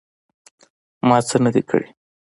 _ما څه نه دي کړي.